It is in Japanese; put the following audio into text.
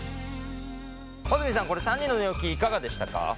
穂積さんこれ３人の寝起きいかがでしたか？